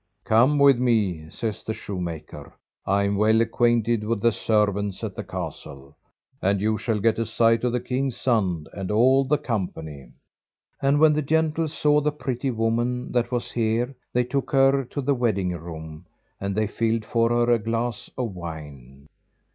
"Come with me," says the shoemaker, "I am well acquainted with the servants at the castle, and you shall get a sight of the king's son and all the company." And when the gentles saw the pretty woman that was here they took her to the wedding room, and they filled for her a glass of wine.